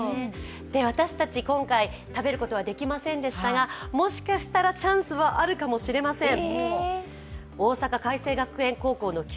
私たち、今回、食べることはできませんでしたが、もしかしたらチャンスはあるかもしれません。